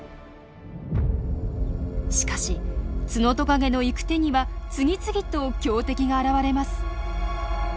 しかしツノトカゲの行く手には次々と強敵が現れます。